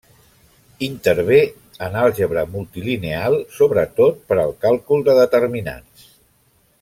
Intervé en àlgebra multilineal, sobretot per al càlcul de Determinants.